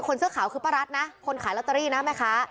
เสื้อขาวคือป้ารัฐนะคนขายลอตเตอรี่นะแม่ค้า